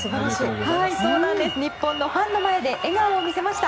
日本のファンの前で笑顔を見せました。